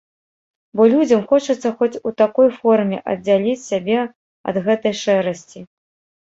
Бо людзям хочацца хоць у такой форме аддзяліць сябе ад гэтай шэрасці.